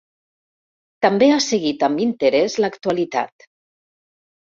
També ha seguit amb interès l'actualitat.